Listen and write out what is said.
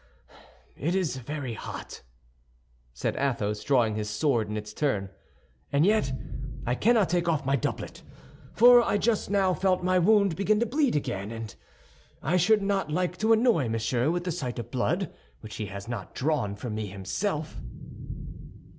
"It is very hot," said Athos, drawing his sword in its turn, "and yet I cannot take off my doublet; for I just now felt my wound begin to bleed again, and I should not like to annoy Monsieur with the sight of blood which he has not drawn from me himself."